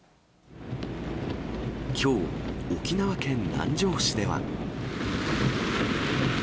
きょう、沖縄県南城市では。